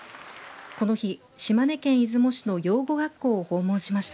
この日、島根県出雲市の養護学校を訪問しました。